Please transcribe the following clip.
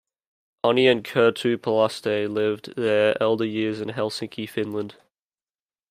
Onni and Kerttu Palaste lived their elder years in Helsinki, Finland.